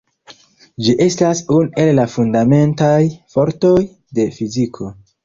Ĝi estas unu el la fundamentaj fortoj de fiziko.